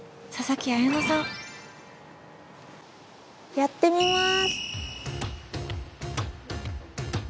やってみます！